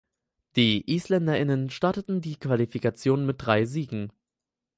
Die Isländerinnen starteten die Qualifikation mit drei Siegen.